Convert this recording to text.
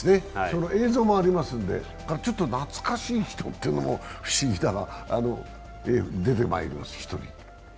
映像もありますので、ちょっと懐かしい人というのも不思議だな、出てまいります。